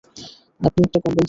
আপনি একটা কম্বল চান?